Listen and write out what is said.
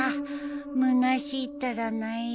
むなしいったらないよ。